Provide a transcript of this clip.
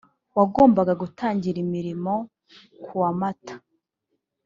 wagombaga gutangira imirimo ku wa mata